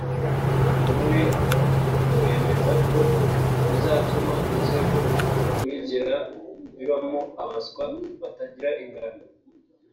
bamwe bemeza ko bizatuma ibisekuru bikurikira bibamo abaswa batagira ingano